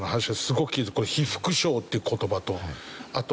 この被服廠っていう言葉とあと